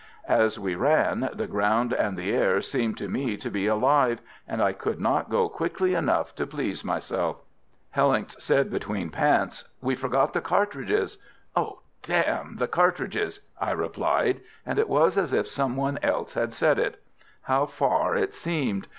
As we ran the ground and the air seemed to me to be alive, and I could not go quickly enough to please myself. Hellincks said between pants: "We forgot the cartridges." "Oh! d the cartridges!" I replied, and it was as if some one else had said it.... How far it seemed!